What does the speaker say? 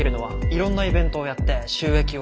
いろんなイベントをやって収益を上げる。